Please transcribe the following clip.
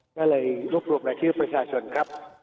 ก็เลยรวบรวมรายชื่อประชาชนครับ